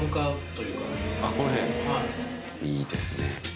いいですね